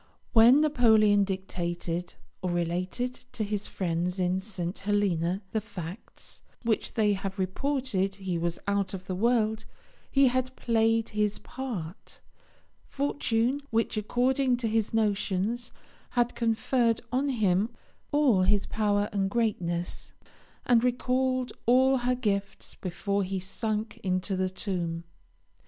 When Napoleon dictated or related to his friends in St. Helena the facts which they have reported he was out of the world, he had played his part. Fortune, which, according to his notions, had conferred on him all his power and greatness, had recalled all her gifts before he sank into the tomb.